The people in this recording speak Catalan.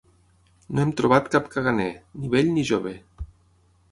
No hem trobat cap caganer, ni vell ni jove.